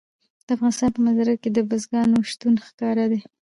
د افغانستان په منظره کې د بزګانو شتون ښکاره دی.